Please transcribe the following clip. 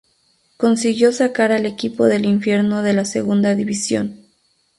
Consiguió sacar al equipo del infierno de la segunda división.